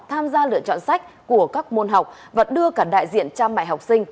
tham gia lựa chọn sách của các môn học và đưa cả đại diện trang mại học sinh